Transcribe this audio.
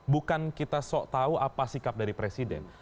bukan kita tahu apa sikap dari presiden